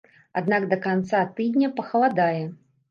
Аднак да канца тыдня пахаладае.